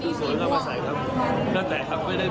ดูตามฉลงหรือเปล่าครับ